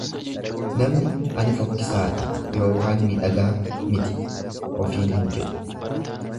Namni ani fokkisaadha yookaan midhagaa miti ofiin hin jedhu.